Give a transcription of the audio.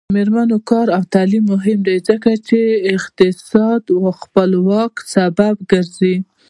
د میرمنو کار او تعلیم مهم دی ځکه چې اقتصادي خپلواکۍ سبب ګرځي.